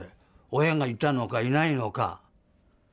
親がいたのかいないのか。